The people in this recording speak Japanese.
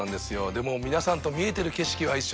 でも皆さんと見えてる景色は一緒なんで。